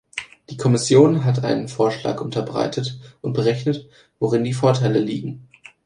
Die Kommission hat einen Vorschlag unterbreitet und berechnet, worin die Vorteile liegen.